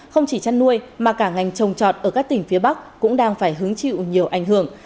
không chỉ chăn nuôi mà cả ngành trồng trọt ở các tỉnh phía bắc cũng đang phải hứng chịu nhiều ảnh hưởng